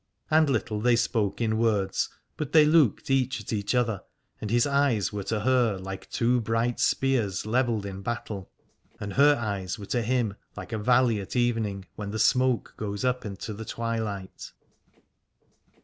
And little they spoke in words, but they looked each at other, and his eyes were to her like two bright spears levelled in battle, and her eyes were to him like a valley at evening, when the smoke goes up into the twilight.